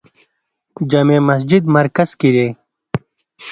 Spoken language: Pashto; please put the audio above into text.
جامع مسجد مرکز کې دی